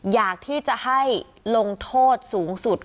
อยากที่จะให้ลงโทษสูงสุด